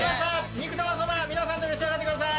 肉玉そば皆さんで召し上がってください。